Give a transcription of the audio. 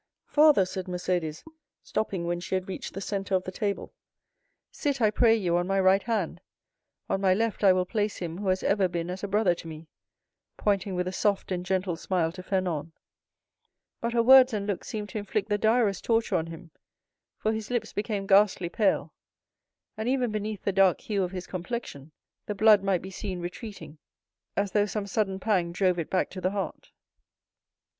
"Father," said Mercédès, stopping when she had reached the centre of the table, "sit, I pray you, on my right hand; on my left I will place him who has ever been as a brother to me," pointing with a soft and gentle smile to Fernand; but her words and look seemed to inflict the direst torture on him, for his lips became ghastly pale, and even beneath the dark hue of his complexion the blood might be seen retreating as though some sudden pang drove it back to the heart.